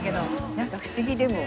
なんか不思議でも。